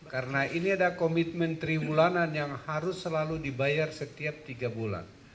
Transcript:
karena ini ada komitmen trimulanan yang harus selalu dibayar setiap tiga bulan